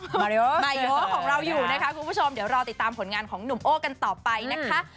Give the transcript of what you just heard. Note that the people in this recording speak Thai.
มาเร็วมาเยอะของเราอยู่นะคะคุณผู้ชมเดี๋ยวรอติดตามผลงานของหนุ่มโอ้กันต่อไปนะคะ